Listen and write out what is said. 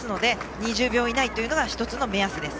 ２０秒以内が１つの目安です。